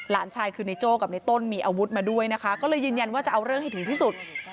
ก็เลยยืนยันว่าจะเอาเรื่องให้ถึงที่สุด